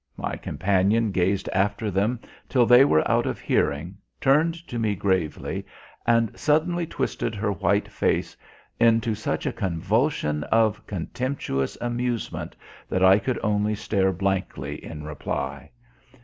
My companion gazed after them till they were out of hearing, turned to me gravely, and suddenly twisted her white face into such a convulsion of contemptuous amusement that I could only stare blankly in reply.